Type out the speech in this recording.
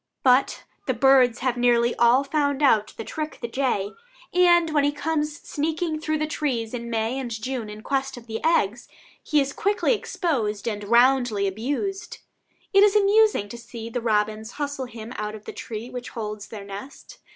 But the birds have nearly all found out the trick the jay, and when he comes sneaking through the trees in May and June in quest of eggs, he is quickly exposed and roundly abused. It is amusing to see the robins hustle him out of the tree which holds their nest.